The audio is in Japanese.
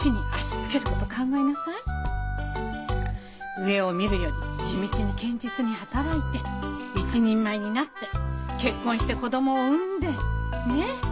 上を見るより地道に堅実に働いて一人前になって結婚して子供を産んでねっ？